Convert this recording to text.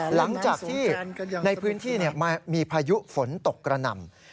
หลังจากที่ในพื้นที่มีพายุฝนตกกระหน่ำ